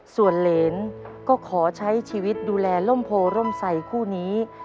ส่วนเหรนก็ขอใช้ชีวิตดูแลร่มโพร่มใส่คู่นี้